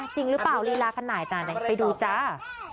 จริงหรือเปล่าลีลาขนาดไหนไปดูจ้า